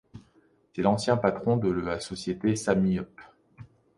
C'est l'ancien patron de la société Samhyup.